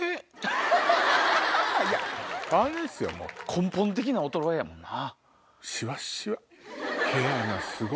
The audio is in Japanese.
根本的な衰えやもんな。